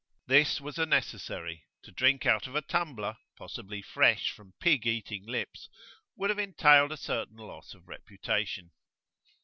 This was a necessary; to drink out of a tumbler, possibly fresh from pig eating lips, would have entailed a certain loss of reputation.